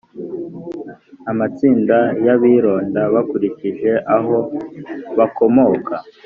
amatsinda y abironda bakurikije aho bakomoka